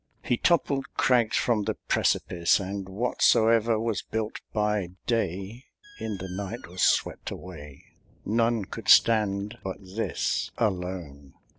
He toppled crags from the precipice, And whatsoe'er was built by dayIn the night was swept away:None could stand but this alone.